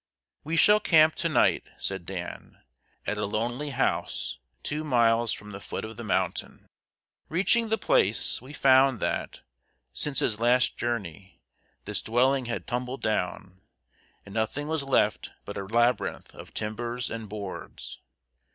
] "We shall camp to night," said Dan, "at a lonely house two miles from the foot of the mountain." Reaching the place, we found that, since his last journey, this dwelling had tumbled down, and nothing was left but a labyrinth of timbers and boards.